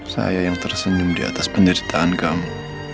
saya yang tersenyum di atas penderitaan kamu